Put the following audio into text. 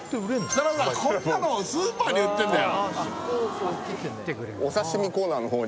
設楽さん、こんなのスーパーに売ってるんだよ。